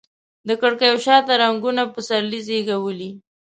د کړکېو شاته رنګونو پسرلي زیږولي